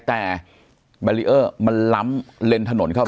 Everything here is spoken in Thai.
แต่บรรย์เตือนมันล้ำเลนทะโหนเข้ามา